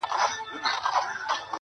کلي ودان کورونه-